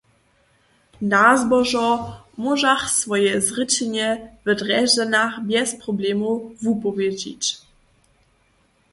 Na zbožo móžach swoje zrěčenje w Drježdźanach bjez problemow wupowědźić.